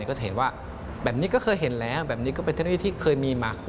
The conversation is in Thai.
ก็จะเห็นว่าแบบนี้ก็เคยเห็นแล้วแบบนี้ก็เป็นเทคโนโลยีที่เคยมีมา